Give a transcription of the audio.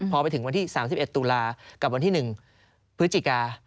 พอไปถึงวันที่๓๑ตุลากับวันที่๑พฤศจิกา